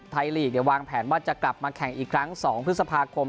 ลีกวางแผนว่าจะกลับมาแข่งอีกครั้ง๒พฤษภาคม